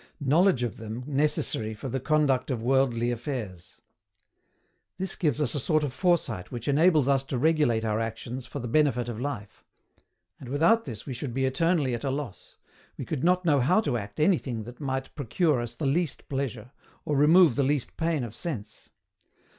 KNOWLEDGE OF THEM NECESSARY FOR THE CONDUCT OF WORLDLY AFFAIRS. This gives us a sort of foresight which enables us to regulate our actions for the benefit of life. And without this we should be eternally at a loss; we could not know how to act anything that might procure us the least pleasure, or remove the least pain of sense.